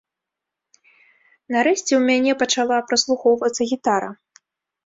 Нарэшце, у мяне пачала праслухоўвацца гітара!